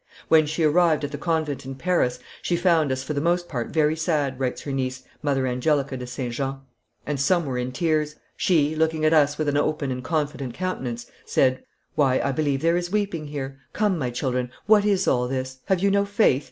"When she arrived at the convent in Paris, she found us for the most part very sad," writes her niece, Mother Angelica de St. Jean, "and some were in tears. She, looking at us with an open and confident countenance, said, 'Why, I believe there is weeping here! Come, my children, what is all this? Have you no faith?